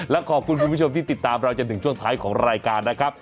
และขอบคุณคุณผู้ชมที่ติดตามเราจนถึงช่วงท้ายของรายการนะครับ